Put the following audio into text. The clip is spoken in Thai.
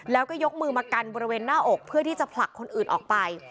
แล้วก็ยกมือมากันบริเวณหน้าอกเพื่อที่จะผลักคนอื่นออกไป